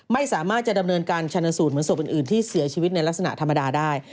ไม่สามารถจะดำเนินการชนสูตรเหมือนศพอื่นที่เสียชีวิตในลักษณะธรรมดาได้